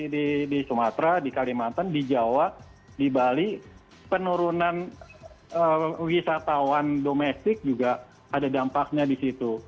di sumatera di kalimantan di jawa di bali penurunan wisatawan domestik juga ada dampaknya di situ